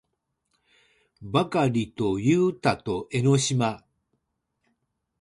ばかりとゆうたと江の島